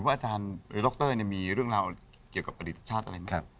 พระอาจารย์หรือดรมีเรื่องราวเกี่ยวกับประดิษฐศาสตร์อะไรมั้ย